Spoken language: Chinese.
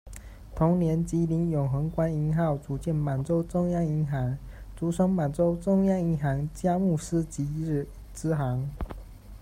同年，吉林永衡官银号组建满洲中央银行，逐称满洲中央银行佳木斯吉字支行。